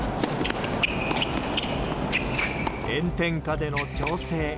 炎天下での調整。